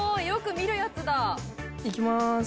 よく見るやつだ！」いきまーす。